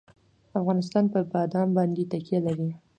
افغانستان په بادام باندې تکیه لري.